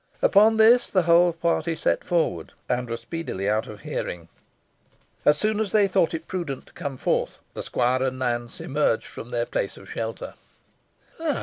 Upon this the whole party set forward, and were speedily out of hearing. As soon as they thought it prudent to come forth, the squire and Nance emerged from their place of shelter.